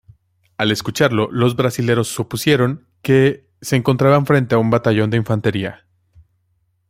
Al escucharlo, los brasileros supusieron que se encontraban frente a un batallón de infantería.